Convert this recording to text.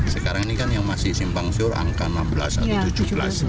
sekarang ini kan yang masih simpang siur angka enam belas atau tujuh belas